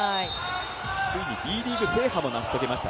ついにＢリーグ制覇も成し遂げました